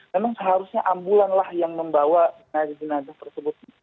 memang seharusnya ambulanlah yang membawa jenazah jenazah tersebut